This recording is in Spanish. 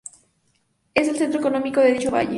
Es el centro económico de dicho valle.